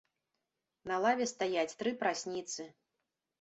На лаве стаяць тры прасніцы.